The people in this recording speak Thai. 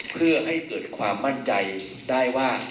เพื่อให้เกิดความมั่นใจได้ว่า